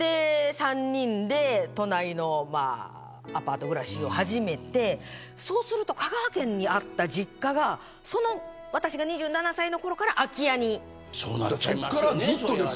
３人で都内のアパート暮らしを始めてそうすると香川県にあった実家がその、私が２７歳のころから空き家に。